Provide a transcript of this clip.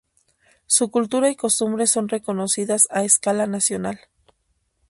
Su cultura y costumbres son reconocidas a escala nacional.